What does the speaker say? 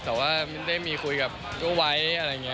แต่ว่ามันได้มีคุยกับไว้อะไรอย่างนี้